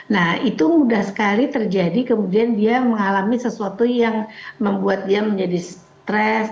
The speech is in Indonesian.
nah itu mudah sekali terjadi kemudian dia mengalami sesuatu yang membuat dia menjadi stres